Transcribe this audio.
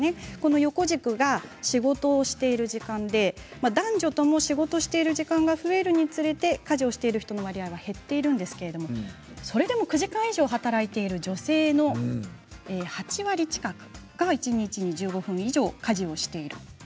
横軸が仕事をしている時間で男女とも仕事をしている時間が増えるにつれて家事をしている人の割合は減っているんですけれどもそれでも９時間以上働いている女性の８割近くが一日１５分以上家事をしている。